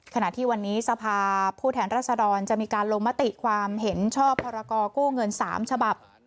ขณะที่วันนี้สภาผู้แทนรัศดรจะมีการลงมติความเห็นชอบพรกรกู้เงิน๓ฉบับ